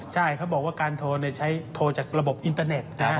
ใช่เขาบอกว่าการโทรใช้โทรจากระบบอินเตอร์เน็ต